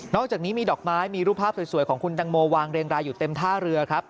อกจากนี้มีดอกไม้มีรูปภาพสวยของคุณตังโมวางเรียงรายอยู่เต็มท่าเรือครับ